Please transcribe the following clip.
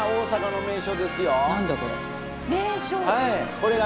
これがね